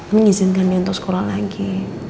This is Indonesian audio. mengizinkan dia untuk sekolah lagi